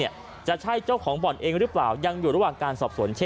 ไม่ว่าจะเป็นกระสุนปืนหรือว่าซองกระสุนปืนไม่ก็ดี